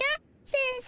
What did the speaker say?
先生。